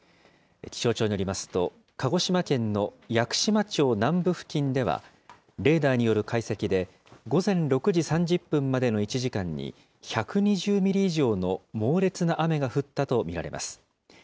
気象庁によりますと、鹿児島県の屋久島町南部付近では、レーダーによる解析で、午前６時３０分までの１時間に、１２０ミリ以上の猛烈な雨が降ったと見られます。